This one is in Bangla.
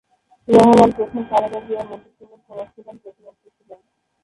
রহমান প্রথম খালেদা জিয়া মন্ত্রীসভার সমাজকল্যাণ প্রতিমন্ত্রী ছিলেন।